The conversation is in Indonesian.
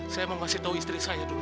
saya mau kasih tahu istri saya dulu